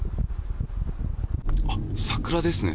桜ですね。